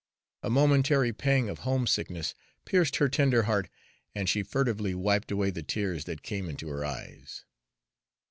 A momentary pang of homesickness pierced her tender heart, and she furtively wiped away the tears that came into her eyes.